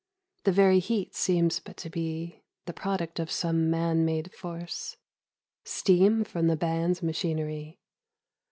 The very heat seems but to be The product of some man made force — Steam from the band's machinery.